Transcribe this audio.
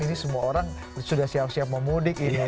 ini semua orang sudah siap siap mau mudik ini